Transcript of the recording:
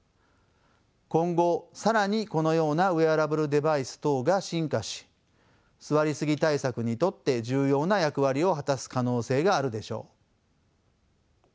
今後更にこのようなウェアラブルデバイス等が進化し座りすぎ対策にとって重要な役割を果たす可能性があるでしょう。